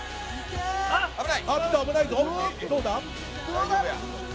危ないぞ！